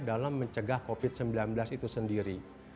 dalam mencegah covid sembilan belas itu sendiri